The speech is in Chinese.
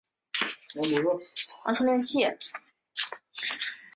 当时蔡若莲亦担任政治立场亲建制的香港教育工作者联会副主席。